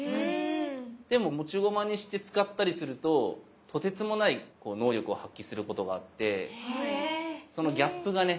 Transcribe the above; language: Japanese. でも持ち駒にして使ったりするととてつもない能力を発揮することがあってそのギャップがね